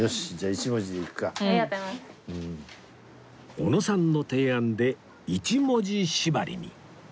おのさんの提案で１文字縛りに